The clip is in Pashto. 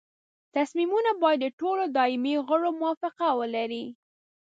تصمیمونه باید د ټولو دایمي غړو موافقه ولري.